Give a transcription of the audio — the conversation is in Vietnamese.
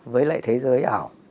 với lại thế giới ảo